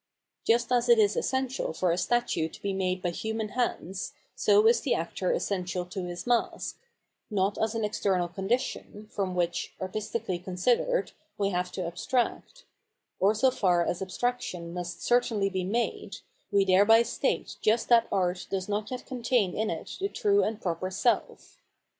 Just as it is essential for 'a statue to be made by human hands, so is the actor essential to his mask — ^not as an external condition, from which, artistically considered, we have to abstract ; or so far as abstraction must certainly be made, we thereby state just that art does not yet contain in it the true and proper self.